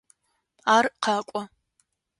Ар къэкӏо.